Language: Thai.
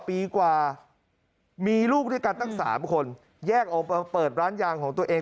ปีกว่ามีลูกด้วยกันตั้ง๓คนแยกออกมาเปิดร้านยางของตัวเอง